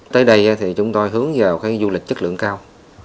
tới đây thì chúng tôi hướng vào cái du lịch chất lượng cao